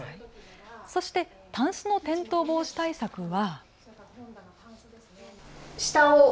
そしてタンスの転倒防止対策は。